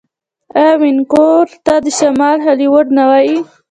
آیا وینکوور ته د شمال هالیوډ نه وايي؟